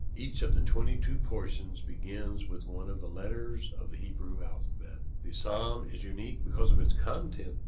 Each of the twenty two portions begins with one of the letters of the Hebrew alphabet. The Psalm is unique because of its content.